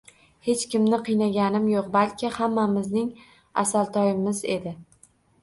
Hech kimni qiynagani yoʻq, balki hammamizning “Asaltoy”imiz edi…